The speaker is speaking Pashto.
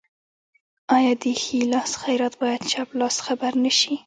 آیا د ښي لاس خیرات باید چپ لاس خبر نشي؟